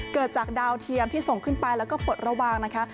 เกิดจากดาวเทียมที่ส่งขึ้นไปแล้วก็ปลดระวังนะคะ